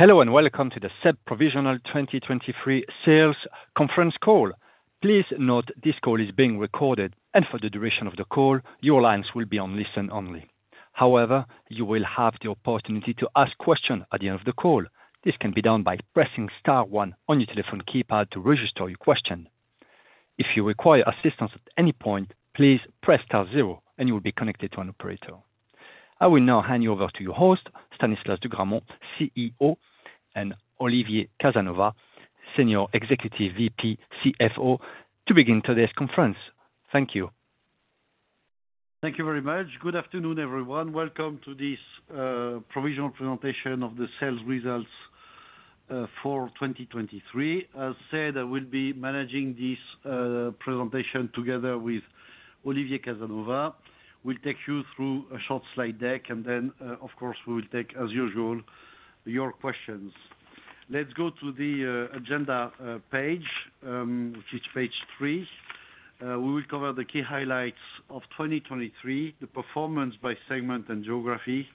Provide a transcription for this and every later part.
Hello, and welcome to the SEB provisional 2023 sales conference call. Please note this call is being recorded, and for the duration of the call, your lines will be on listen only. However, you will have the opportunity to ask questions at the end of the call. This can be done by pressing star one on your telephone keypad to register your question. If you require assistance at any point, please press star zero, and you will be connected to an operator. I will now hand you over to your host, Stanislas de Gramont, CEO, and Olivier Casanova, Senior Executive VP, CFO, to begin today's conference. Thank you. Thank you very much. Good afternoon, everyone. Welcome to this provisional presentation of the sales results for 2023. As said, I will be managing this presentation together with Olivier Casanova. We'll take you through a short slide deck, and then, of course, we will take, as usual, your questions. Let's go to the agenda page, which is page three. We will cover the key highlights of 2023, the performance by segment and geography,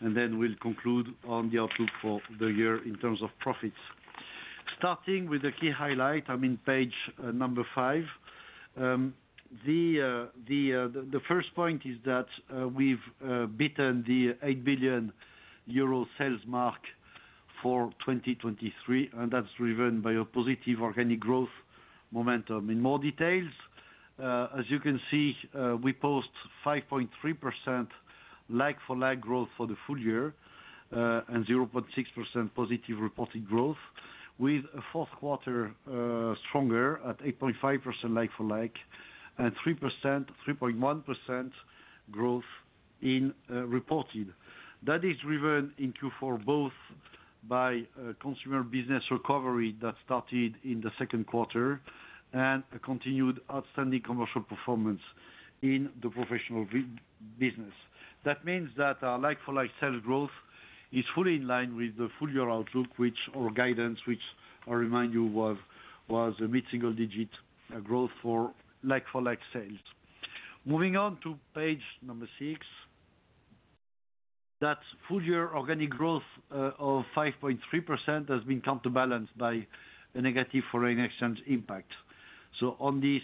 and then we'll conclude on the outlook for the year in terms of profits. Starting with the key highlight, I'm in page number five. The first point is that we've beaten the 8 billion euro sales mark for 2023, and that's driven by a positive organic growth momentum. In more details, as you can see, we post 5.3% like-for-like growth for the full year, and 0.6% positive reported growth, with a fourth quarter stronger at 8.5% like-for-like, and 3.1% growth in reported. That is driven in Q4, both by a consumer business recovery that started in the second quarter, and a continued outstanding commercial performance in the professional business. That means that our like-for-like sales growth is fully in line with the full year outlook, or guidance, which I remind you, was a mid-single digit growth for like-for-like sales. Moving on to page six. That full year organic growth of 5.3% has been counterbalanced by a negative foreign exchange impact. On this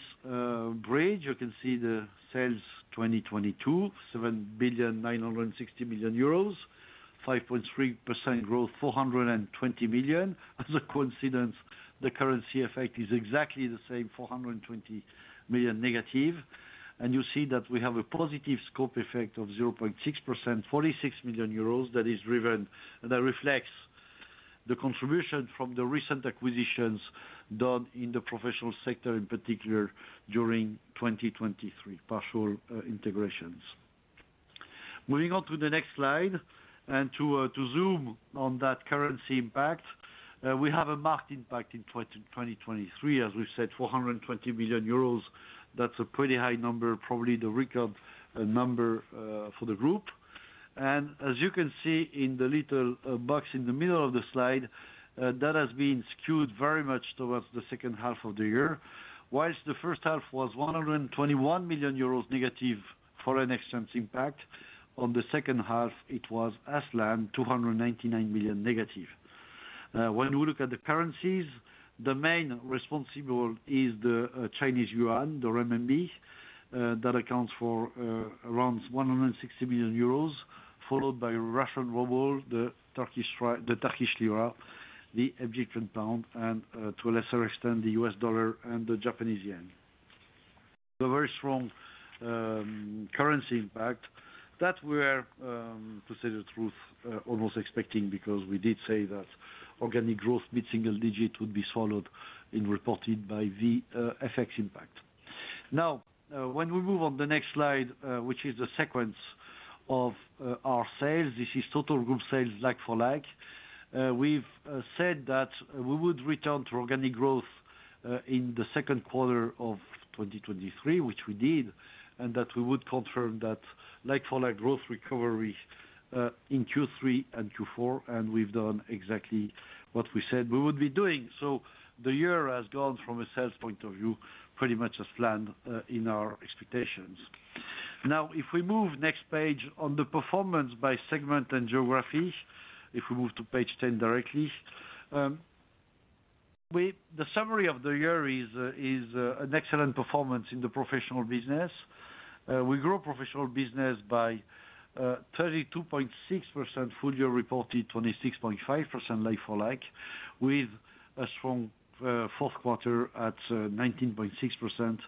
bridge, you can see the sales 2022, 7.96 billion euros, 5.3% growth, 420 million. As a coincidence, the currency effect is exactly the same, 420 million negative. You see that we have a positive scope effect of 0.6%, 46 million euros, that is driven—that reflects the contribution from the recent acquisitions done in the professional sector, in particular during 2023, partial integrations. Moving on to the next slide, and to zoom on that currency impact, we have a marked impact in 2023. As we said, 420 million euros, that's a pretty high number, probably the record number for the group. As you can see in the little box in the middle of the slide, that has been skewed very much towards the second half of the year. While the first half was 121 million euros negative foreign exchange impact, on the second half it was 299 million negative. When we look at the currencies, the main responsible is the Chinese yuan, the RMB, that accounts for around 160 million euros, followed by Russian ruble, the Turkish lira, the Egyptian pound, and to a lesser extent, the U.S. dollar and the Japanese yen. So very strong currency impact that we are, to say the truth, almost expecting, because we did say that organic growth mid-single digit would be followed in reported by the FX impact. Now, when we move on to the next slide, which is the sequence of our sales, this is total group sales like-for-like. We've said that we would return to organic growth in the second quarter of 2023, which we did, and that we would confirm that like-for-like growth recovery in Q3 and Q4, and we've done exactly what we said we would be doing. So the year has gone from a sales point of view pretty much as planned in our expectations. Now, if we move next page on the performance by segment and geography, if we move to page 10 directly, the summary of the year is an excellent performance in the professional business. We grew professional business by 32.6% full year reported, 26.5% like-for-like, with a strong fourth quarter at 19.6%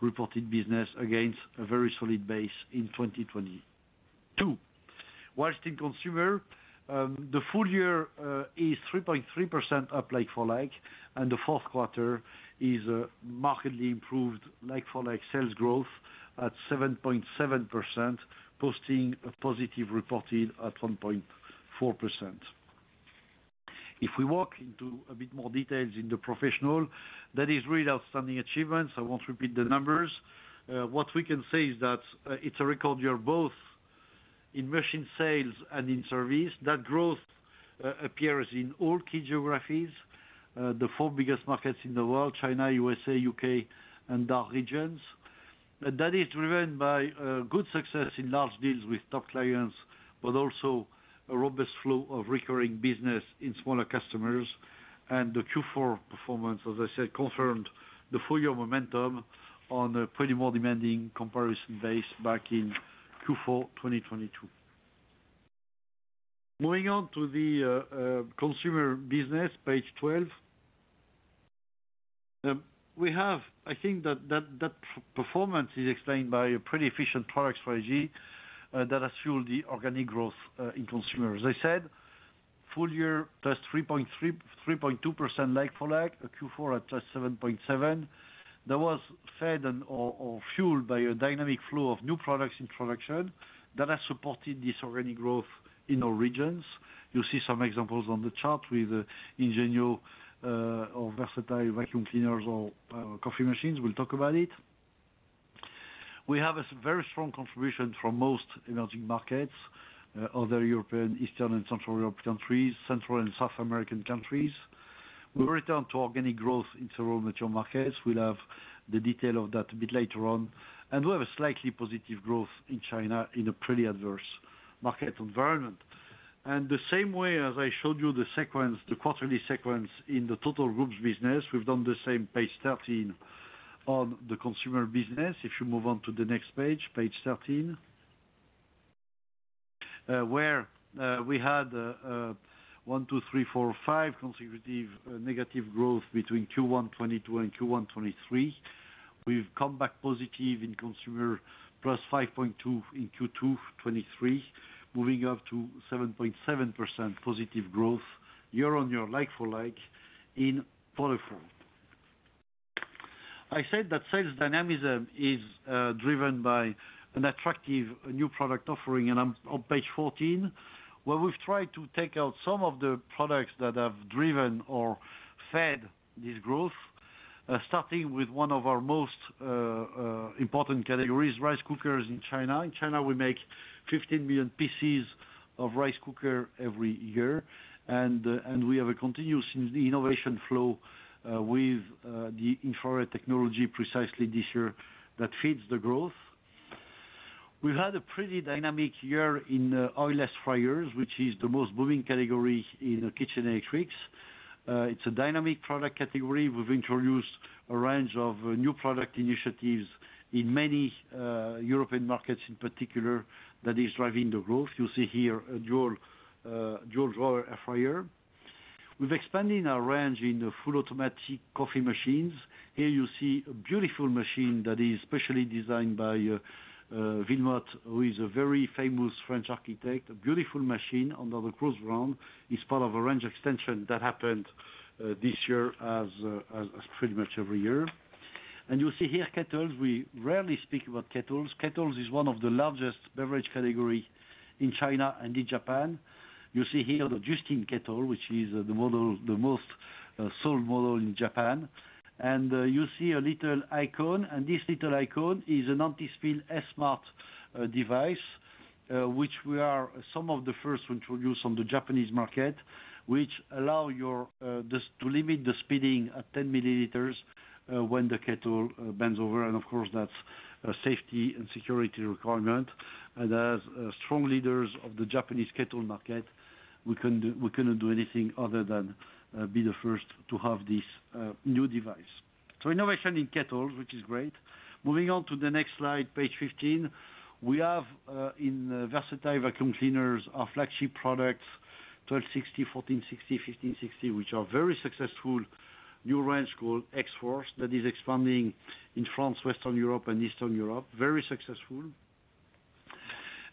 reported business against a very solid base in 2022. While in consumer, the full year is 3.3% up like for like, and the fourth quarter is markedly improved like for like sales growth at 7.7%, posting a positive reported at 1.4%. If we walk into a bit more details in the professional, that is really outstanding achievements. I won't repeat the numbers. What we can say is that it's a record year, both in machine sales and in service. That growth appears in all key geographies, the four biggest markets in the world: China, U.S., U.K., and DACH regions. But that is driven by good success in large deals with top clients, but also a robust flow of recurring business in smaller customers. The Q4 performance, as I said, confirmed the full year momentum on a pretty more demanding comparison base back in Q4 2022. Moving on to the consumer business, page 12. We have, I think that performance is explained by a pretty efficient product strategy that has fueled the organic growth in consumer. As I said, full year +3.2% like-for-like, Q4 at +7.7%, that was fed and, or, fueled by a dynamic flow of new products introduction that has supported this organic growth in all regions. You'll see some examples on the chart with Ingenio, or versatile vacuum cleaners or, coffee machines. We'll talk about it. We have a very strong contribution from most emerging markets, other European, Eastern and Central European countries, Central and South American countries. We return to organic growth in several mature markets. We'll have the detail of that a bit later on, and we have a slightly positive growth in China in a pretty adverse market environment. The same way as I showed you the sequence, the quarterly sequence in the total group's business, we've done the same, page 13, on the consumer business. If you move on to the next page, page 13. Where, we had, one, two, three, four, five consecutive, negative growth between Q1 2022 and Q1 2023. We've come back positive in consumer, +5.2% in Q2 2023, moving up to 7.7% positive growth year-on-year, like-for-like, in quarter four. I said that sales dynamism is driven by an attractive new product offering. And I'm on page 14, where we've tried to take out some of the products that have driven or fed this growth, starting with one of our most important categories, rice cookers in China. In China, we make 15 million pieces of rice cooker every year, and we have a continuous innovation flow with the infrared technology precisely this year, that feeds the growth. We've had a pretty dynamic year in oil-less fryers, which is the most booming category in kitchen electrics. It's a dynamic product category. We've introduced a range of new product initiatives in many European markets in particular, that is driving the growth. You see here a dual drawer air fryer. We've expanded our range in the full automatic coffee machines. Here you see a beautiful machine that is specially designed by Wilmotte, who is a very famous French architect. A beautiful machine under the Krups brand is part of a range extension that happened this year, as pretty much every year. You see here, kettles. We rarely speak about kettles. Kettles is one of the largest beverage category in China and in Japan. You see here the Justine Kettle, which is the model, the most sold model in Japan. You see a little icon, and this little icon is an anti-spill smart device, which we are some of the first to introduce on the Japanese market, which allows this to limit the spilling at 10 ml when the kettle bends over. And of course, that's a safety and security requirement. And as strong leaders of the Japanese kettle market, we can do—we cannot do anything other than be the first to have this new device. So innovation in kettles, which is great. Moving on to the next slide, page 15. We have in versatile vacuum cleaners our flagship products, 12.60, 14.60, 15.60, which are very successful. New range called X-Force that is expanding in France, Western Europe and Eastern Europe, very successful.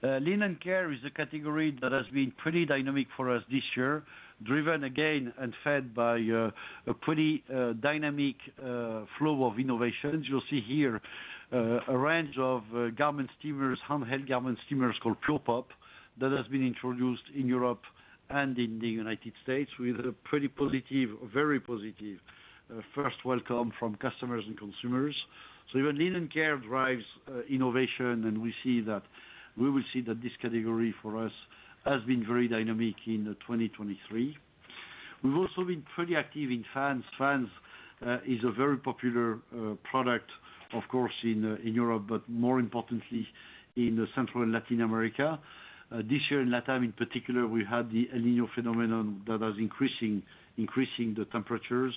Linen care is a category that has been pretty dynamic for us this year. Driven again and fed by a pretty dynamic flow of innovations. You'll see here a range of garment steamers, handheld garment steamers called Pure Pop, that has been introduced in Europe and in the United States with a pretty positive, very positive first welcome from customers and consumers. So even linen care drives innovation, and we see that, we will see that this category for us has been very dynamic in 2023. We've also been pretty active in fans. Fans is a very popular product, of course, in Europe, but more importantly in the Central and Latin America. This year, in Latin America in particular, we had the El Niño phenomenon that was increasing the temperatures,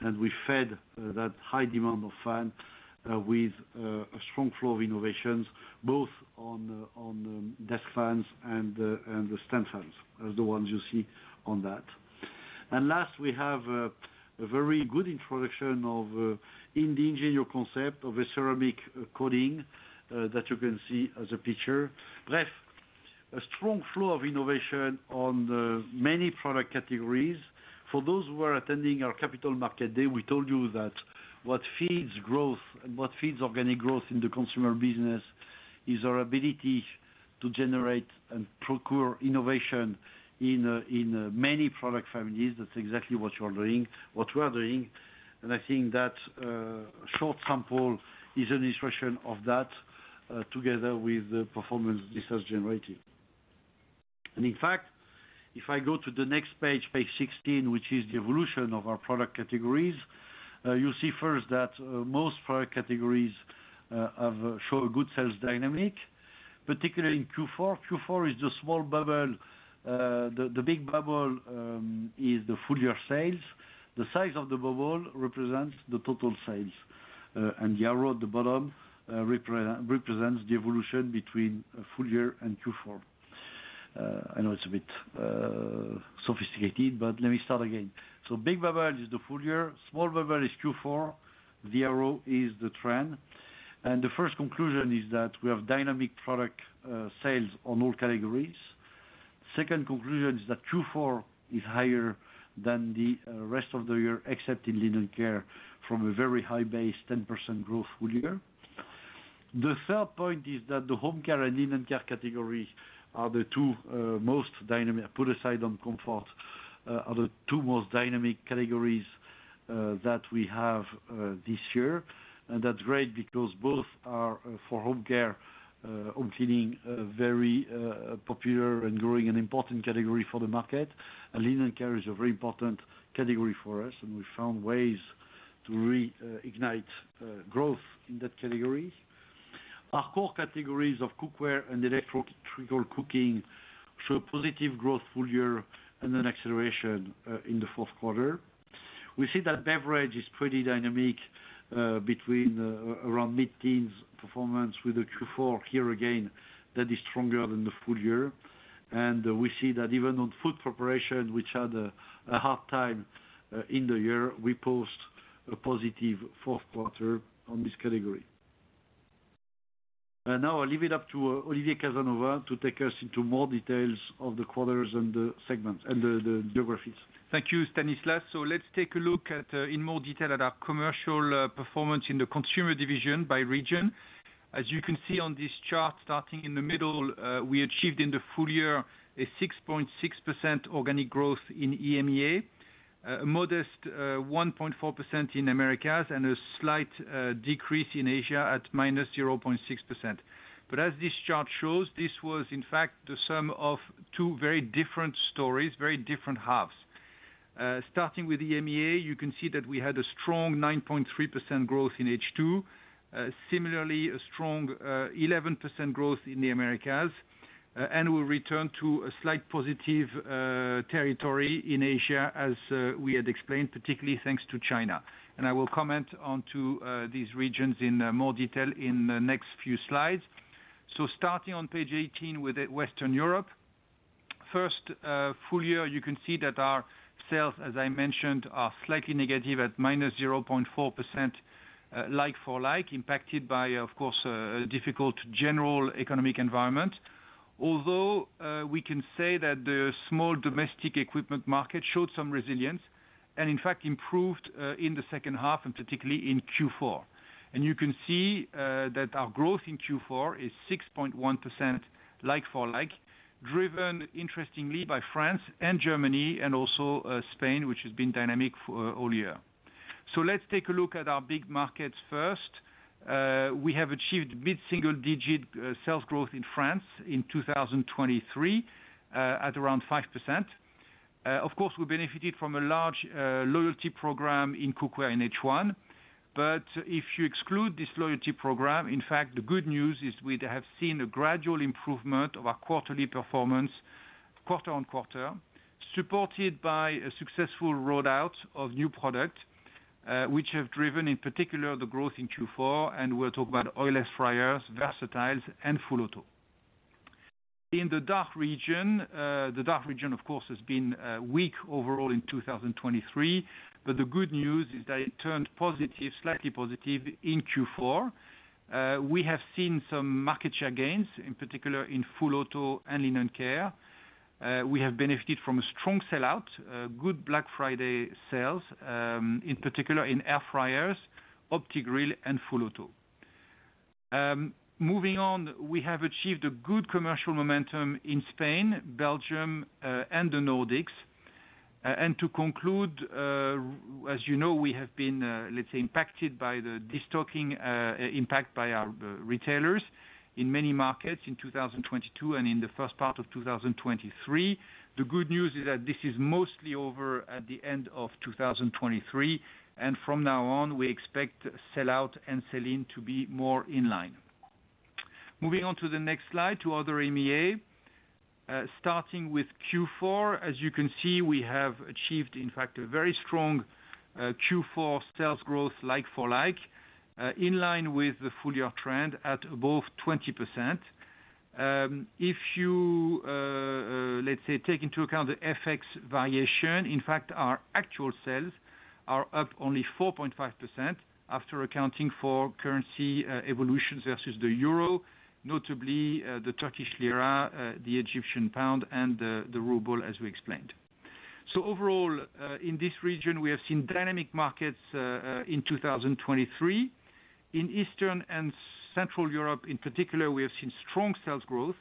and we fed that high demand for fans with a strong flow of innovations, both on desk fans and the stand fans, as the ones you see on that. And lastly, we have a very good introduction in the Ingenio concept of a ceramic coating that you can see in the picture. Plus, a strong flow of innovation in the many product categories. For those who are attending our Capital Markets Day, we told you that what feeds growth and what feeds organic growth in the consumer business is our ability to generate and procure innovation in many product families. That's exactly what you're doing-what we're doing, and I think that short sample is an illustration of that, together with the performance this has generated. And in fact, if I go to the next page, page 16, which is the evolution of our product categories, you see first that most product categories have shown a good sales dynamic, particularly in Q4. Q4 is the small bubble. The big bubble is the full year sales. The size of the bubble represents the total sales, and the arrow at the bottom represents the evolution between full year and Q4. I know it's a bit sophisticated, but let me start again. So big bubble is the full year, small bubble is Q4, the arrow is the trend. The first conclusion is that we have dynamic product sales on all categories. Second conclusion is that Q4 is higher than the rest of the year, except in Linen Care, from a very high base, 10% growth full year. The third point is that the Home Care and Linen Care categories are the two most dynamic, put aside on comfort, are the two most dynamic categories that we have this year. That's great because both are, for home care, including a very popular and growing and important category for the market. Linen Care is a very important category for us, and we found ways to reignite growth in that category. Our core categories of Cookware and Electrical Cooking show a positive growth full year and an acceleration in the fourth quarter. We see that beverage is pretty dynamic, between around mid-teens performance with the Q4. Here, again, that is stronger than the full year. And we see that even on food preparation, which had a hard time in the year, we post a positive fourth quarter on this category. Now, I'll leave it up to Olivier Casanova to take us into more details of the quarters and the geographies. Thank you, Stanislas. So let's take a look at, in more detail at our commercial performance in the consumer division by region. As you can see on this chart, starting in the middle, we achieved in the full year a 6.6% organic growth in EMEA, a modest 1.4% in Americas, and a slight decrease in Asia at -0.6%. But as this chart shows, this was in fact the sum of two very different stories, very different halves. Starting with EMEA, you can see that we had a strong 9.3% growth in H2. Similarly, a strong 11% growth in the Americas, and we return to a slight positive territory in Asia, as we had explained, particularly thanks to China. And I will comment on to these regions in more detail in the next few slides. So starting on page 18, with Western Europe. First, full year, you can see that our sales, as I mentioned, are slightly negative at -0.4%, like-for-like, impacted by, of course, a difficult general economic environment. Although, we can say that the small domestic equipment market showed some resilience, and in fact improved in the second half, and particularly in Q4. And you can see that our growth in Q4 is 6.1%, like-for-like, driven interestingly by France and Germany and also Spain, which has been dynamic for all year. So let's take a look at our big markets first. We have achieved mid-single-digit sales growth in France in 2023 at around 5%. Of course, we benefited from a large loyalty program in cookware in H1. But if you exclude this loyalty program, in fact, the good news is we have seen a gradual improvement of our quarterly performance quarter-on-quarter, supported by a successful rollout of new products, which have driven, in particular, the growth in Q4, and we'll talk about oilless fryers, versatiles, and full auto. In the DACH region, the DACH region, of course, has been weak overall in 2023, but the good news is that it turned positive, slightly positive in Q4. We have seen some market share gains, in particular in full auto and linen care. We have benefited from a strong sell-out, good Black Friday sales, in particular in air fryers, OptiGrill and full auto. Moving on, we have achieved a good commercial momentum in Spain, Belgium, and the Nordics. And to conclude, as you know, we have been, let's say, impacted by the destocking, impact by our retailers in many markets in 2022 and in the first part of 2023. The good news is that this is mostly over at the end of 2023, and from now on, we expect sell-out and sell-in to be more in line. Moving on to the next slide, to other EMEA. Starting with Q4, as you can see, we have achieved, in fact, a very strong Q4 sales growth, like-for-like, in line with the full year trend at above 20%. If you, let's say, take into account the FX variation, in fact, our actual sales are up only 4.5% after accounting for currency evolutions versus the euro, notably the Turkish lira, the Egyptian pound, and the ruble, as we explained. So overall, in this region, we have seen dynamic markets in 2023. In Eastern and Central Europe in particular, we have seen strong sales growth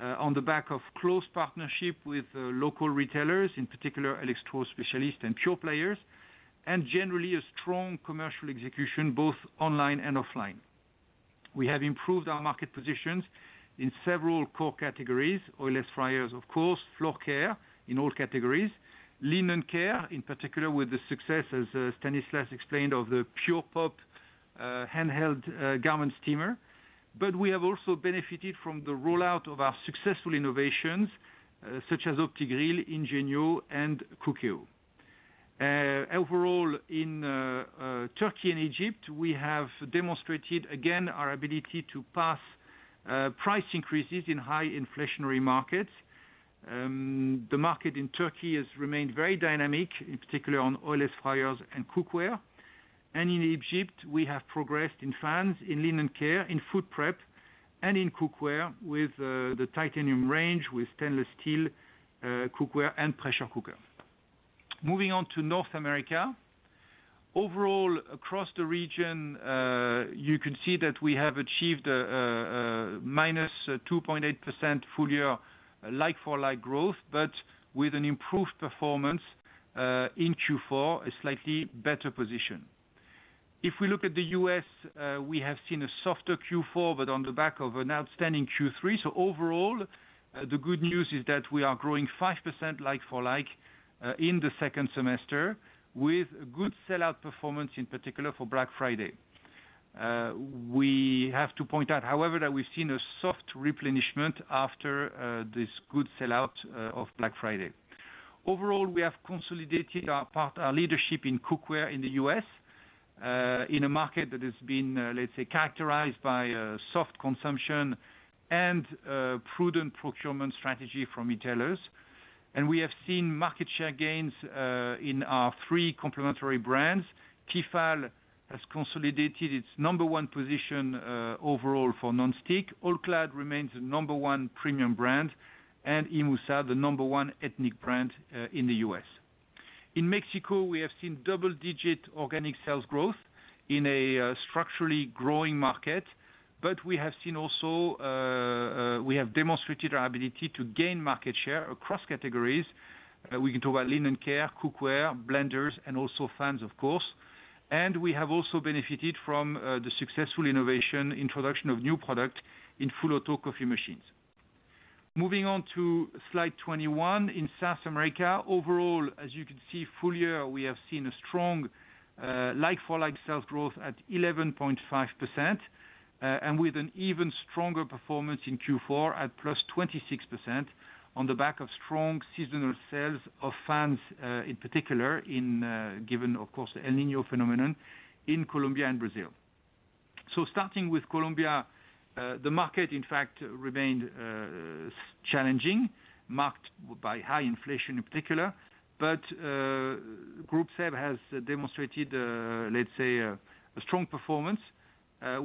on the back of close partnership with local retailers, in particular, electro specialists and pure players, and generally a strong commercial execution, both online and offline. We have improved our market positions in several core categories, oil-less fryers, of course, floor care in all categories, linen care, in particular, with the success, as Stanislas explained, of the Pure Pop handheld garment steamer. But we have also benefited from the rollout of our successful innovations, such as OptiGrill, Ingenio, and Cookeo. Overall, in Turkey and Egypt, we have demonstrated again our ability to pass price increases in high inflationary markets. The market in Turkey has remained very dynamic, in particular on oil-less fryers and cookware. In Egypt, we have progressed in fans, in linen care, in food prep, and in cookware with the titanium range, with stainless steel cookware and pressure cooker. Moving on to North America. Overall, across the region, you can see that we have achieved -2.8% full year like-for-like growth, but with an improved performance in Q4, a slightly better position. If we look at the U.S., we have seen a softer Q4, but on the back of an outstanding Q3. So overall, the good news is that we are growing 5% like-for-like in the second semester, with good sell-out performance, in particular for Black Friday. We have to point out, however, that we've seen a soft replenishment after this good sellout of Black Friday. Overall, we have consolidated our part, our leadership in cookware in the U.S., in a market that has been, let's say, characterized by, soft consumption and, prudent procurement strategy from retailers. And we have seen market share gains, in our three complementary brands. Tefal has consolidated its number one position, overall for non-stick. All-Clad remains the number one premium brand, and IMUSA, the number one ethnic brand, in the U.S. In Mexico, we have seen double-digit organic sales growth in a, structurally growing market, but we have seen also, we have demonstrated our ability to gain market share across categories. We can talk about linen care, cookware, blenders, and also fans, of course, and we have also benefited from, the successful innovation, introduction of new product in full auto coffee machines. Moving on to slide 21. In South America, overall, as you can see, full year, we have seen a strong like-for-like sales growth at 11.5%, and with an even stronger performance in Q4 at +26% on the back of strong seasonal sales of fans, in particular, given, of course, the El Niño phenomenon in Colombia and Brazil. So starting with Colombia, the market, in fact, remained challenging, marked by high inflation in particular, but Groupe SEB has demonstrated, let's say, a strong performance.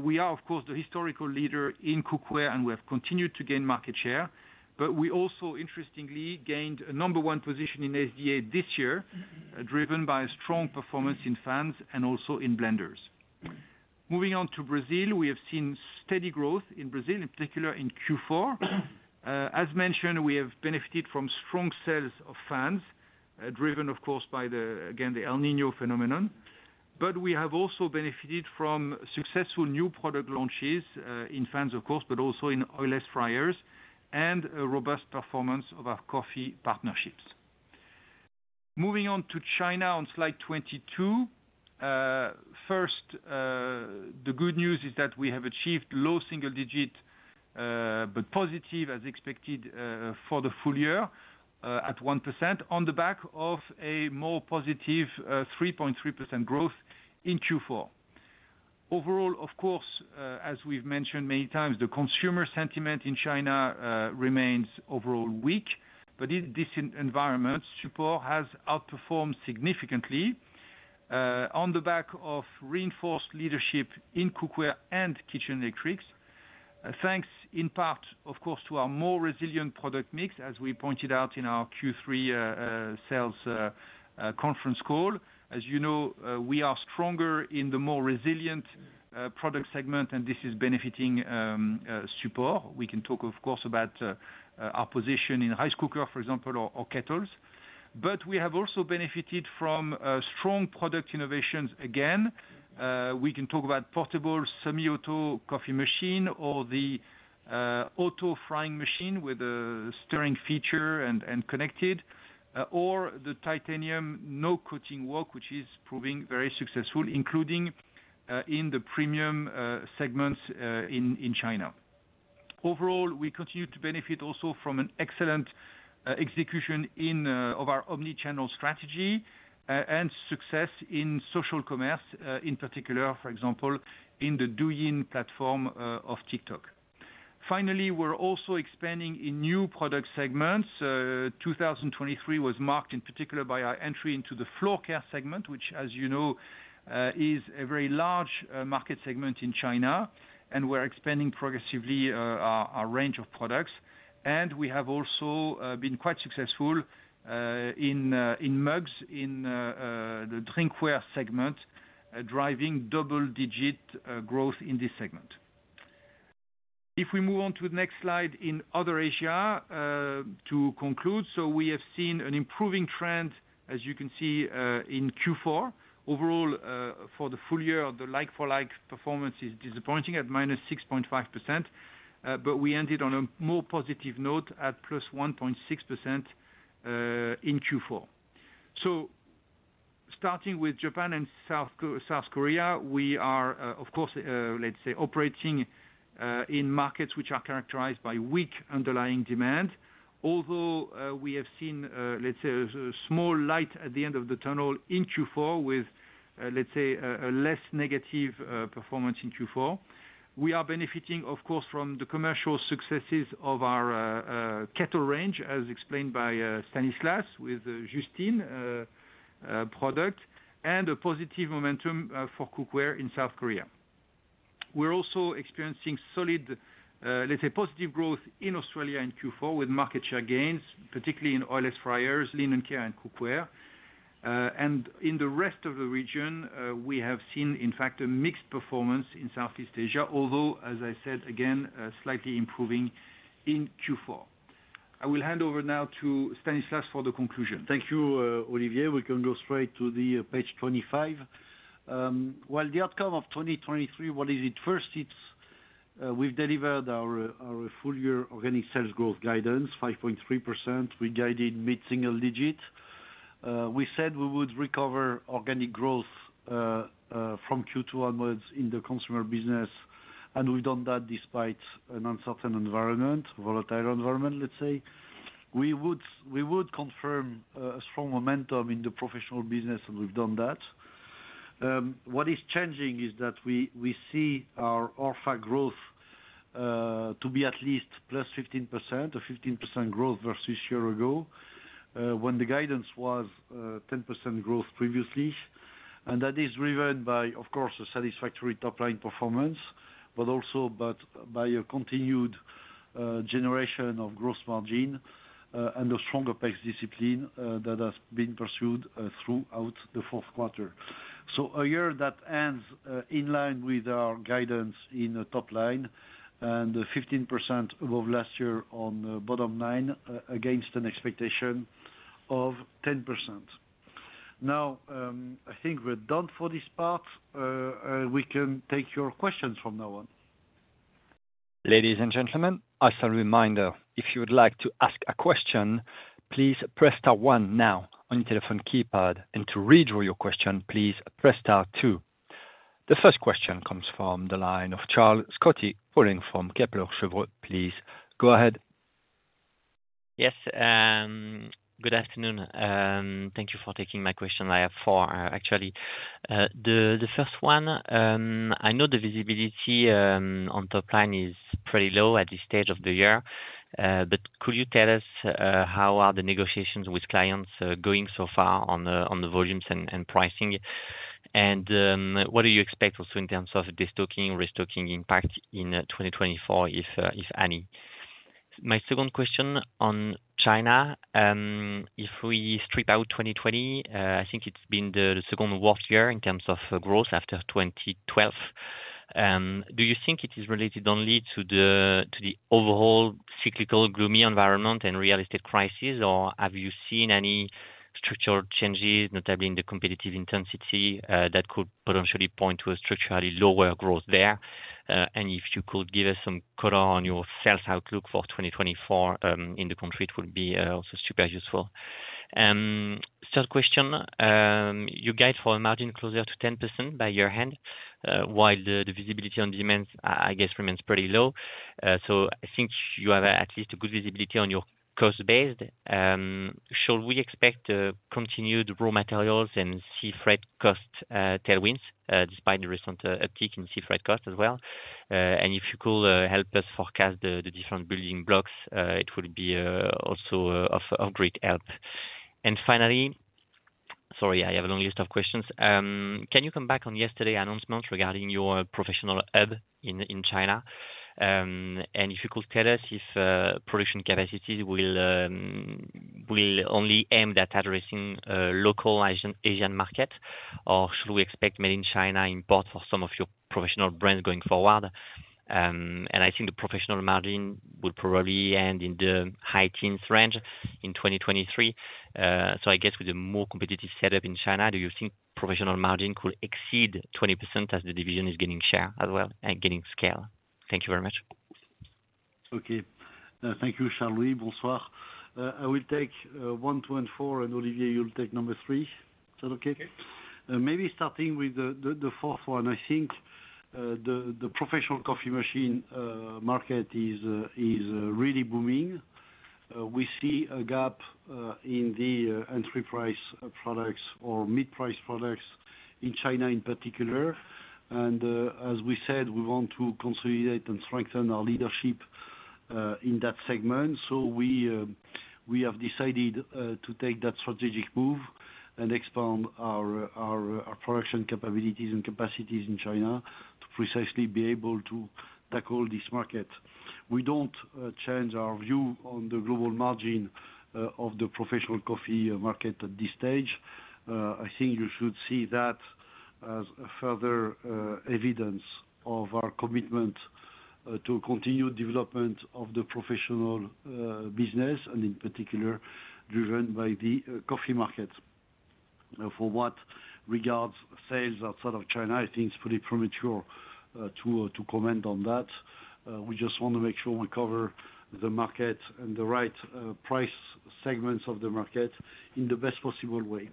We are, of course, the historical leader in cookware, and we have continued to gain market share, but we also interestingly gained a number one position in SDA this year, driven by a strong performance in fans and also in blenders. Moving on to Brazil, we have seen steady growth in Brazil, in particular in Q4. As mentioned, we have benefited from strong sales of fans, driven, of course, by the, again, the El Niño phenomenon. But we have also benefited from successful new product launches, in fans, of course, but also in oilless fryers and a robust performance of our coffee partnerships. Moving on to China on slide 22. First, the good news is that we have achieved low single-digit but positive, as expected, for the full year, at 1% on the back of a more positive 3.3% growth in Q4. Overall, of course, as we've mentioned many times, the consumer sentiment in China remains overall weak, but in this environment, Supor has outperformed significantly, on the back of reinforced leadership in cookware and kitchen electrics. Thanks in part, of course, to our more resilient product mix, as we pointed out in our Q3 sales conference call. As you know, we are stronger in the more resilient product segment, and this is benefiting Supor. We can talk, of course, about our position in rice cooker, for example, or kettles. But we have also benefited from strong product innovations again. We can talk about portable semi-auto coffee machine or the auto frying machine with a stirring feature and connected, or the titanium no coating wok, which is proving very successful, including in the premium segments in China. Overall, we continue to benefit also from an excellent execution of our omni-channel strategy, and success in social commerce, in particular, for example, in the Douyin platform of TikTok. Finally, we're also expanding in new product segments. 2023 was marked in particular by our entry into the floor care segment, which, as you know, is a very large market segment in China, and we're expanding progressively our range of products. And we have also been quite successful in mugs, in the drinkware segment, driving double-digit growth in this segment. If we move on to the next slide, in other Asia, to conclude, so we have seen an improving trend, as you can see, in Q4. Overall, for the full year, the like-for-like performance is disappointing at -6.5%. But we ended on a more positive note at +1.6% in Q4. So, starting with Japan and South Korea, we are, of course, let's say operating in markets which are characterized by weak underlying demand. Although, we have seen, let's say, a small light at the end of the tunnel in Q4 with, let's say, a less negative performance in Q4. We are benefiting, of course, from the commercial successes of our kettle range, as explained by Stanislas, with Justine product, and a positive momentum for cookware in South Korea. We're also experiencing solid, let's say, positive growth in Australia in Q4 with market share gains, particularly in oilless fryers, linen care, and cookware. And in the rest of the region, we have seen, in fact, a mixed performance in Southeast Asia, although, as I said again, a slightly improving in Q4. I will hand over now to Stanislas for the conclusion. Thank you, Olivier. We can go straight to the page 25. Well, the outcome of 2023, what is it? First, it's, we've delivered our, our full year organic sales growth guidance, 5.3%. We guided mid single digit. We said we would recover organic growth, from Q2 onwards in the consumer business, and we've done that despite an uncertain environment, volatile environment, let's say. We would, we would confirm, a strong momentum in the professional business, and we've done that. What is changing is that we, we see our ORFA growth, to be at least +15% or 15% growth versus year ago, when the guidance was, 10% growth previously. That is driven by, of course, a satisfactory top line performance, but also but by a continued generation of gross margin, and a stronger pace discipline that has been pursued throughout the fourth quarter. A year that ends in line with our guidance in the top line, and 15% above last year on the bottom line, against an expectation of 10%. Now, I think we're done for this part. We can take your questions from now on. Ladies and gentlemen, as a reminder, if you would like to ask a question, please press star one now on your telephone keypad, and to withdraw your question, please press star two. The first question comes from the line of Charles-Louis Scotti, calling from Kepler Cheuvreux. Please, go ahead. Yes, good afternoon. Thank you for taking my question. I have four, actually. The first one, I know the visibility on top line is pretty low at this stage of the year, but could you tell us how are the negotiations with clients going so far on the volumes and pricing? And what do you expect also in terms of destocking, restocking impact in 2024, if any? My second question on China, if we strip out 2020, I think it's been the second worst year in terms of growth after 2012. Do you think it is related only to the overall cyclical, gloomy environment and real estate crisis, or have you seen any structural changes, notably in the competitive intensity, that could potentially point to a structurally lower growth there? And if you could give us some color on your sales outlook for 2024, in the country, it would be also super useful. Third question, you guide for a margin closer to 10% by year-end, while the visibility on demands, I guess, remains pretty low. So I think you have at least a good visibility on your cost base. Should we expect continued raw materials and sea freight cost tailwinds, despite the recent uptick in sea freight cost as well? If you could help us forecast the different building blocks, it would be also of great help. Finally, sorry, I have a long list of questions. Can you come back on yesterday's announcement regarding your professional hub in China? If you could tell us if production capacities will only aim at addressing local Asian market, or should we expect made in China import for some of your professional brands going forward? I think the professional margin will probably end in the high teens range in 2023. I guess with a more competitive setup in China, do you think professional margin could exceed 20% as the division is gaining share as well and gaining scale? Thank you very much. Okay. Thank you, Charles-Louis. Bonsoir. I will take one, two, and four, and Olivier, you'll take number three. Is that okay? Okay. Maybe starting with the fourth one, I think, the professional coffee machine market is really booming. We see a gap in the entry price products or mid-price products in China in particular. And, as we said, we want to consolidate and strengthen our leadership in that segment. So we have decided to take that strategic move and expand our production capabilities and capacities in China to precisely be able to tackle this market. We don't change our view on the global margin of the professional coffee market at this stage. I think you should see that as a further evidence of our commitment to continued development of the professional business, and in particular, driven by the coffee market. For what regards sales outside of China, I think it's pretty premature to comment on that. We just want to make sure we cover the market and the right price segments of the market in the best possible way.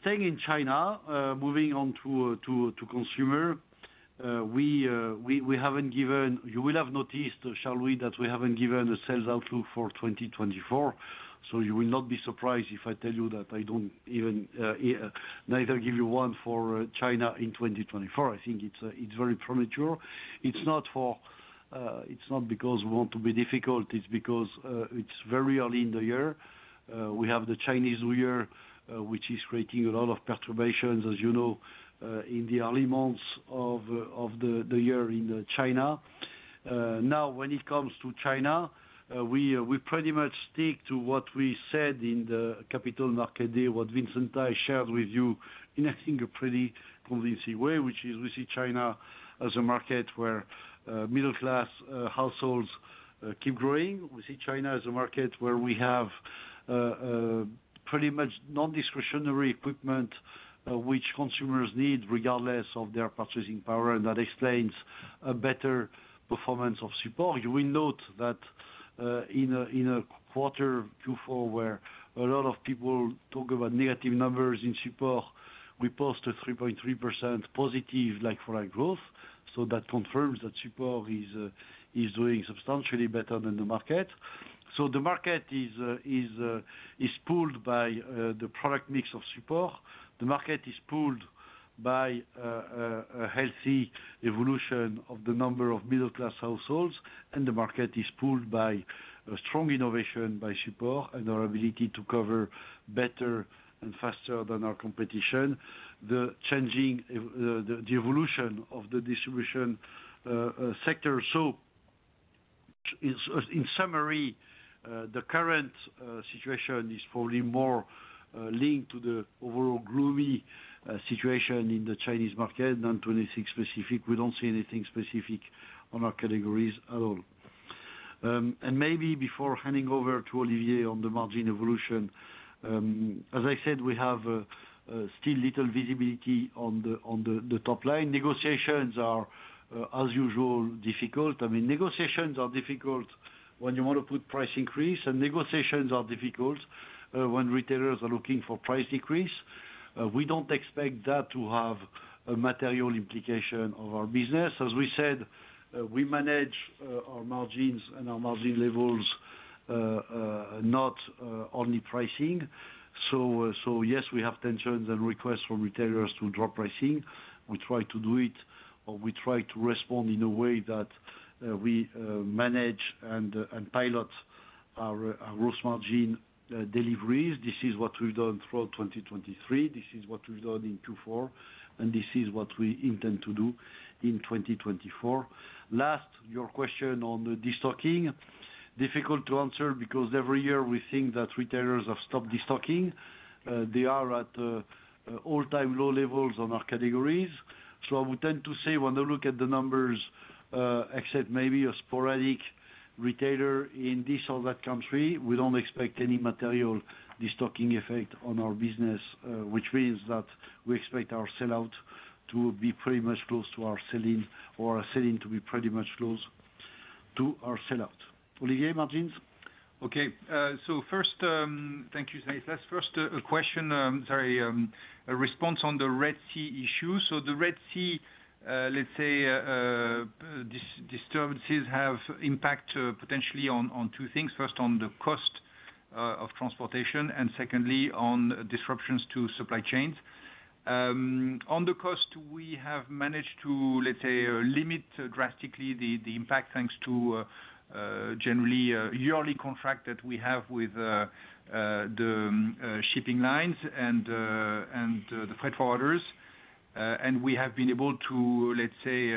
Staying in China, moving on to consumer, we haven't given. You will have noticed, shall we, that we haven't given a sales outlook for 2024, so you will not be surprised if I tell you that I don't even neither give you one for China in 2024. I think it's very premature. It's not, it's not because we want to be difficult, it's because it's very early in the year. We have the Chinese New Year, which is creating a lot of perturbations, as you know, in the early months of the year in China. Now, when it comes to China, we, we pretty much stick to what we said in the Capital Markets Day, what Vincent Tai shared with you in, I think, a pretty convincing way, which is we see China as a market where middle class households keep growing. We see China as a market where we have pretty much non-discretionary equipment, which consumers need regardless of their purchasing power, and that explains a better performance of Supor. You will note that in a quarter Q4, where a lot of people talk about negative numbers in Supor, we post a 3.3% positive like-for-like growth, so that confirms that Supor is doing substantially better than the market. So the market is pulled by the product mix of Supor. The market is pulled by a healthy evolution of the number of middle class households, and the market is pulled by a strong innovation by Supor and our ability to cover better and faster than our competition, the changing evolution of the distribution sector. So in summary, the current situation is probably more linked to the overall gloomy situation in the Chinese market than 2026 specific. We don't see anything specific on our categories at all. And maybe before handing over to Olivier on the margin evolution, as I said, we have still little visibility on the top line. Negotiations are, as usual, difficult. I mean, negotiations are difficult when you want to put price increase, and negotiations are difficult when retailers are looking for price decrease. We don't expect that to have a material implication of our business. As we said, we manage our margins and our margin levels, not only pricing. So, yes, we have tensions and requests from retailers to drop pricing. We try to do it, or we try to respond in a way that we manage and pilot our gross margin, deliveries. This is what we've done throughout 2023, this is what we've done in Q4, and this is what we intend to do in 2024. Last, your question on the destocking. Difficult to answer because every year we think that retailers have stopped destocking. They are at all-time low levels on our categories. So I would tend to say, when I look at the numbers, except maybe a sporadic retailer in this or that country, we don't expect any material destocking effect on our business, which means that we expect our sellout to be pretty much close to our selling, or our selling to be pretty much close to our sellout. Olivier, margins? Okay, so first, thank you, Charles First, a question, sorry, a response on the Red Sea issue. So the Red Sea, let's say, disturbances have impact potentially on two things. First, on the cost of transportation, and secondly, on disruptions to supply chains. On the cost, we have managed to, let's say, limit drastically the impact, thanks to, generally, a yearly contract that we have with the shipping lines and the freight forwarders. And we have been able to, let's say,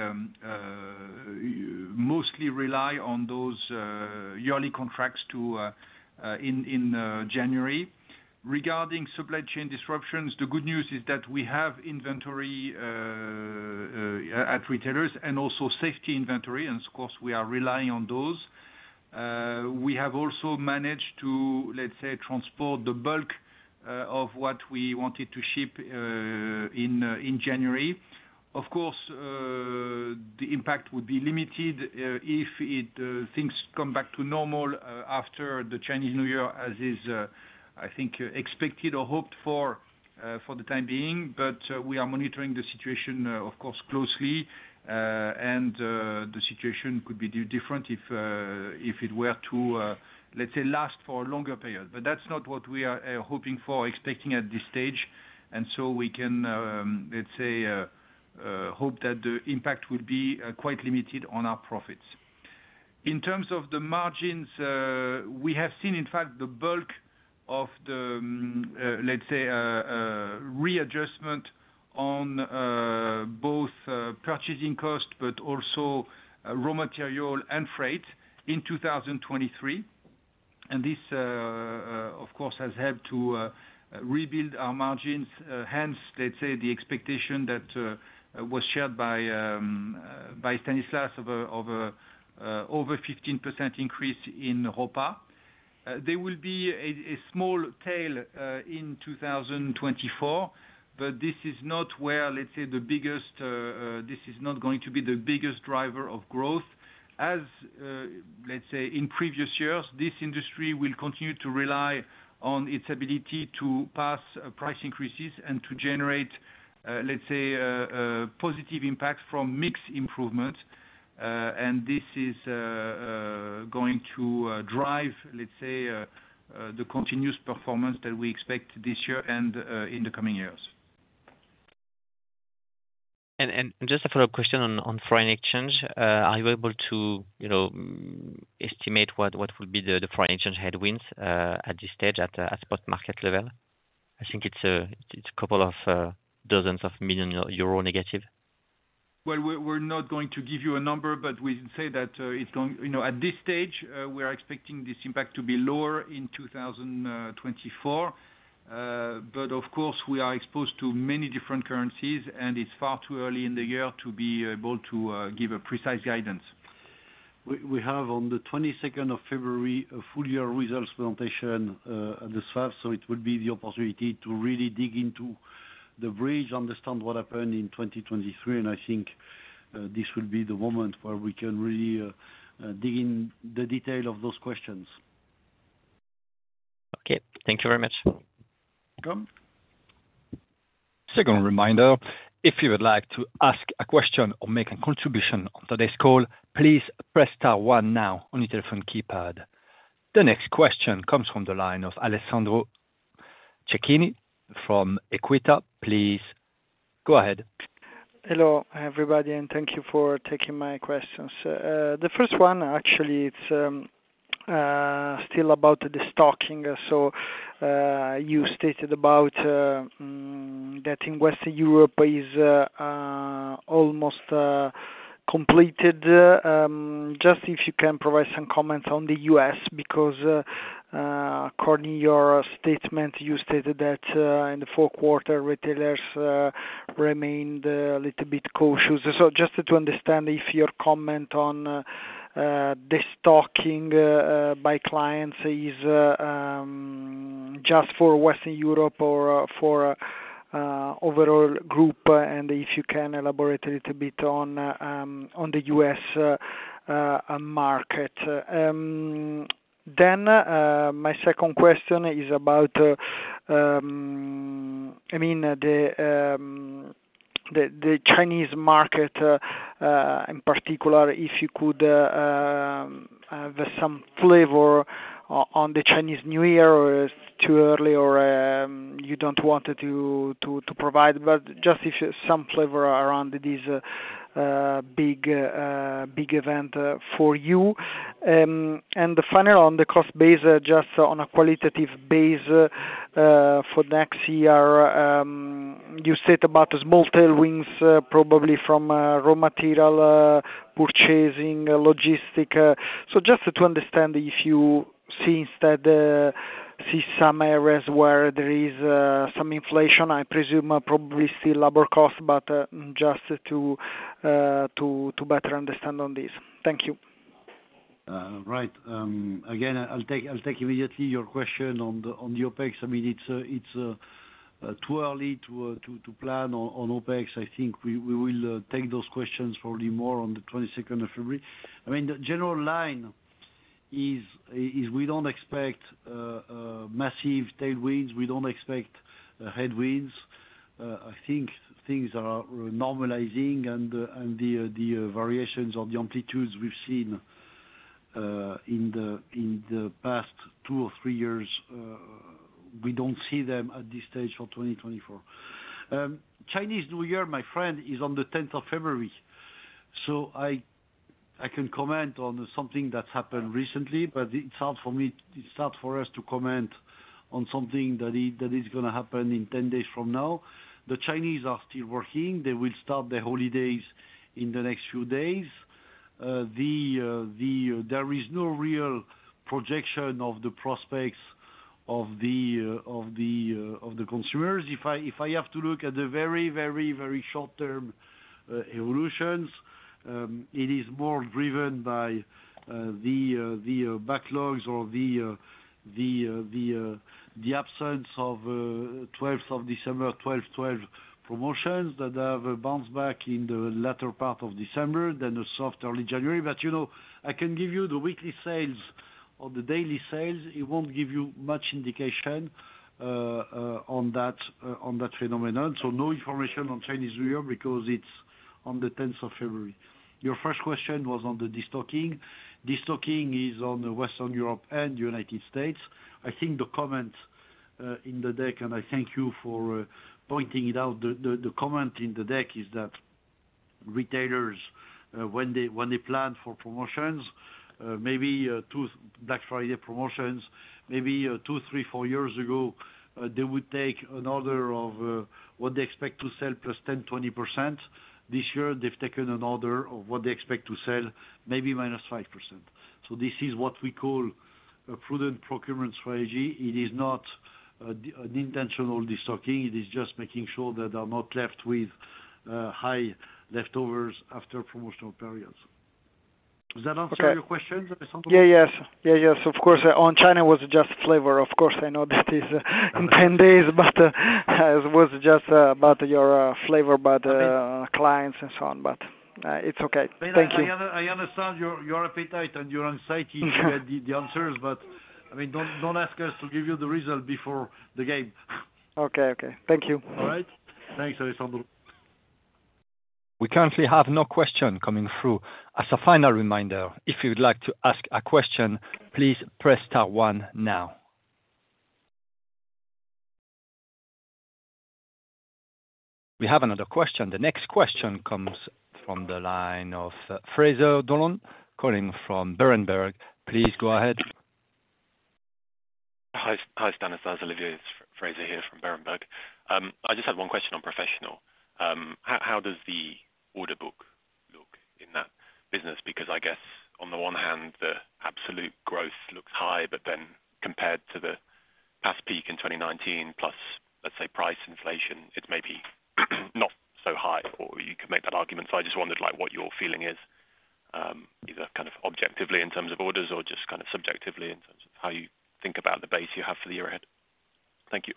mostly rely on those yearly contracts to in January. Regarding supply chain disruptions, the good news is that we have inventory at retailers and also safety inventory, and of course, we are relying on those. We have also managed to, let's say, transport the bulk of what we wanted to ship in January. Of course, the impact would be limited if things come back to normal after the Chinese New Year, as is, I think, expected or hoped for for the time being. But we are monitoring the situation, of course, closely, and the situation could be different if it were to, let's say, last for a longer period. But that's not what we are hoping for, expecting at this stage, and so we can, let's say, hope that the impact will be quite limited on our profits. In terms of the margins, we have seen, in fact, the bulk of the, let's say, readjustment on both purchasing cost, but also raw material and freight in 2023. This, of course, has helped to rebuild our margins. Hence, let's say the expectation that was shared by Stanislas of an over 15% increase in ORFA. There will be a small tail in 2024, but this is not where, let's say, this is not going to be the biggest driver of growth. As, let's say, in previous years, this industry will continue to rely on its ability to pass price increases and to generate, let's say, a positive impact from mix improvement. And this is going to drive, let's say, the continuous performance that we expect this year and in the coming years. Just a follow-up question on foreign exchange. Are you able to, you know, estimate what will be the foreign exchange headwinds at this stage, at spot market level? I think it's a couple of dozens of million euro negative. Well, we're not going to give you a number, but we say that it's going... You know, at this stage, we are expecting this impact to be lower in 2024. But of course, we are exposed to many different currencies, and it's far too early in the year to be able to give a precise guidance. We have on the twenty-second of February a full year results presentation at the SAS, so it would be the opportunity to really dig into the bridge, understand what happened in 2023, and I think this will be the moment where we can really dig in the detail of those questions. Okay. Thank you very much. Welcome. Second reminder, if you would like to ask a question or make a contribution on today's call, please press star one now on your telephone keypad. The next question comes from the line of Alessandro Cecchini from Equita. Please go ahead. Hello, everybody, and thank you for taking my questions. The first one, actually, it's still about the stocking. So, you stated about that in Western Europe is almost completed. Just if you can provide some comments on the U.S. because, according to your statement, you stated that in the fourth quarter, retailers remained a little bit cautious. So just to understand if your comment on the stocking by clients is just for Western Europe or for overall group, and if you can elaborate a little bit on on the U.S. market. Then, my second question is about, I mean, the Chinese market, in particular, if you could, there's some flavor on the Chinese New Year, or it's too early, or you don't want to provide, but just if there's some flavor around this big event for you. And the final on the cost base, just on a qualitative base, for next year, you said about small tailwinds, probably from raw material purchasing, logistics. So just to understand if you see instead some areas where there is some inflation, I presume probably still labor costs, but just to better understand on this. Thank you. Right. Again, I'll take immediately your question on the OpEx. I mean, it's too early to plan on OpEx. I think we will take those questions probably more on the 22nd of February. I mean, the general line is we don't expect massive tailwinds, we don't expect headwinds. I think things are normalizing and the variations or the amplitudes we've seen in the past two or three years we don't see them at this stage for 2024. Chinese New Year, my friend, is on the 10th of February, so I can comment on something that's happened recently, but it's hard for me, it's hard for us to comment on something that is gonna happen in 10 days from now. The Chinese are still working. They will start their holidays in the next few days. There is no real projection of the prospects of the consumers. If I have to look at the very, very, very short-term evolutions, it is more driven by the absence of 12th of December, 12.12 promotions that have bounced back in the latter part of December, then a soft early January. You know, I can give you the weekly sales or the daily sales. It won't give you much indication on that phenomenon. No information on Chinese New Year, because it's on the 10th of February. Your first question was on the destocking. Destocking is in Western Europe and the United States. I think the comment in the deck, and I thank you for pointing it out. The comment in the deck is that retailers, when they plan for promotions, maybe two, three, four years ago, they would take an order of what they expect to sell +10, 20%. This year, they've taken an order of what they expect to sell, maybe -5%. This is what we call a prudent procurement strategy. It is not an intentional destocking. It is just making sure that they are not left with high leftovers after promotional periods. Does that answer your question, Alessandro? Yeah, yes. Yeah, yes, of course. On China was just flavor. Of course, I know that is in 10 days, but it was just about your flavor, about clients and so on, but it's okay. Thank you. I understand your appetite and your anxiety to get the answers, but I mean, don't ask us to give you the result before the game. Okay, okay. Thank you. All right. Thanks, Alessandro. We currently have no question coming through. As a final reminder, if you'd like to ask a question, please press star one now. We have another question. The next question comes from the line of Fraser Donlon, calling from Berenberg. Please go ahead. Hi, hi, Stanislas, Olivier, it's Fraser here from Berenberg. I just had one question on professional. How does the order book look in that business? Because I guess on the one hand, the absolute growth looks high, but then compared to the past peak in 2019, plus, let's say, price inflation, it may be, not so high, or you could make that argument. So I just wondered, like, what your feeling is, either kind of objectively in terms of orders or just kind of subjectively, in terms of how you think about the base you have for the year ahead. Thank you.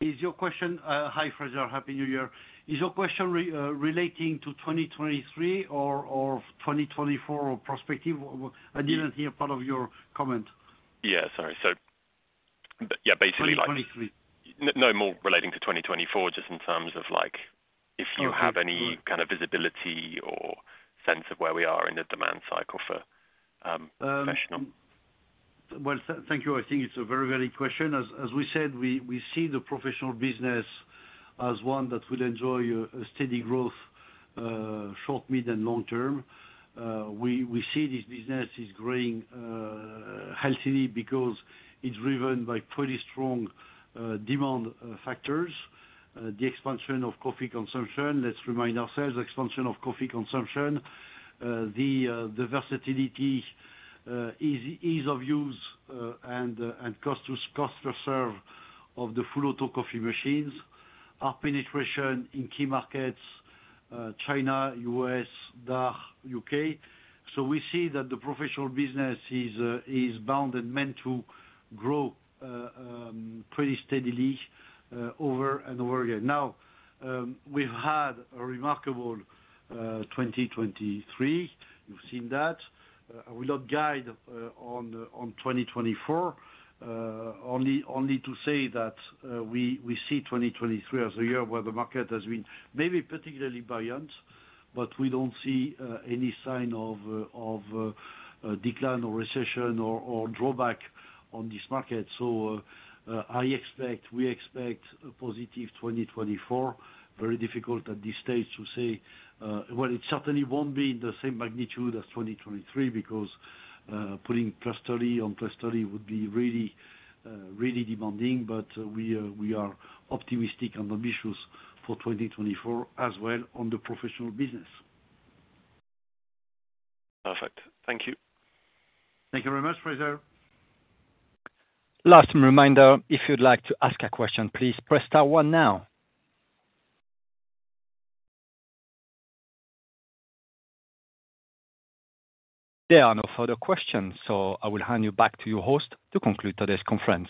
Is your question? Hi, Fraser, Happy New Year. Is your question relating to 2023 or 2024 prospective? I didn't hear part of your comment. Yeah, sorry. But yeah, basically like- 2023 No, more relating to 2024, just in terms of like, if you have any kind of visibility or sense of where we are in the demand cycle for professional? Well, thank you. I think it's a very valid question. As we said, we see the professional business as one that will enjoy a steady growth short, mid, and long term. We see this business is growing healthy, because it's driven by pretty strong demand factors. The expansion of coffee consumption, let's remind ourselves, expansion of coffee consumption, the versatility, ease of use, and cost reserve of the full auto coffee machines. Our penetration in key markets, China, U.S., DACH, U.K. So we see that the professional business is bound and meant to grow pretty steadily, over and over again. Now, we've had a remarkable 2023, you've seen that. We do not guide on 2024, only, only to say that we see 2023 as a year where the market has been maybe particularly buoyant, but we don't see any sign of a decline or recession or drawback on this market. So, I expect, we expect a positive 2024. Very difficult at this stage to say... Well, it certainly won't be in the same magnitude as 2023, because putting +30 on +30 would be really, really demanding. But we are optimistic and ambitious for 2024, as well on the professional business. Perfect. Thank you. Thank you very much, Fraser. Last reminder, if you'd like to ask a question, please press star one now. There are no further questions, so I will hand you back to your host to conclude today's conference.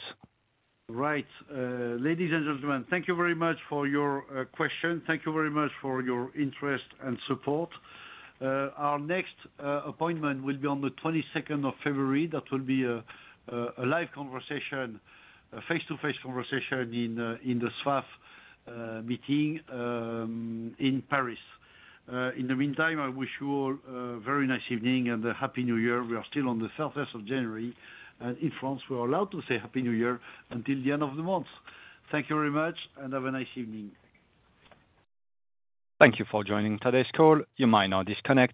Right. Ladies and gentlemen, thank you very much for your question. Thank you very much for your interest and support. Our next appointment will be on the 22nd of February. That will be a live conversation, a face-to-face conversation in the SFAF meeting in Paris. In the meantime, I wish you all a very nice evening and a Happy New Year. We are still on the 31st of January, and in France, we are allowed to say Happy New Year until the end of the month. Thank you very much, and have a nice evening. Thank you for joining today's call. You may now disconnect.